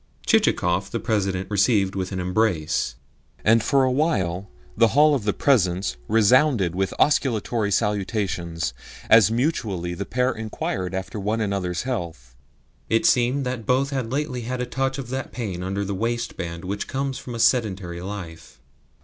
Chichikov the President received with an embrace, and for a while the hall of the Presence resounded with osculatory salutations as mutually the pair inquired after one another's health. It seemed that both had lately had a touch of that pain under the waistband which comes of a sedentary life.